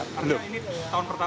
karena ini tahun pertama